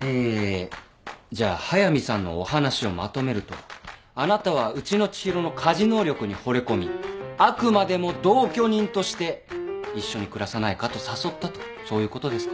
えじゃあ速見さんのお話をまとめるとあなたはうちの知博の家事能力にほれ込みあくまでも同居人として一緒に暮らさないかと誘ったとそういうことですか？